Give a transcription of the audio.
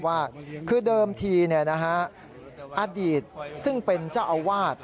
ว่าคือเดิมทีอดีตซึ่งเป็นเจ้าอาวาส